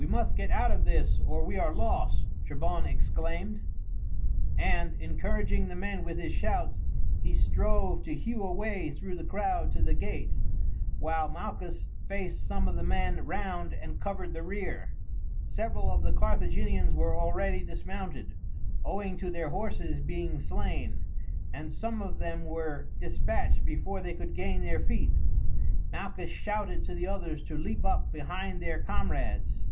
"We must get out of this or we are lost," Trebon exclaimed, and, encouraging the men with his shouts, he strove to hew a way through the crowd to the gate, while Malchus faced some of the men round and covered the rear. Several of the Carthaginians were already dismounted, owing to their horses being slain, and some of them were despatched before they could gain their feet. Malchus shouted to the others to leap up behind their comrades.